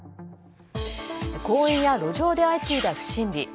公園や路上で相次いだ不審火。